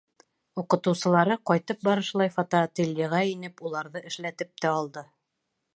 Уҡытыусылары, ҡайтып барышлай фотоательеға инеп, уларҙы эшләтеп тә алды.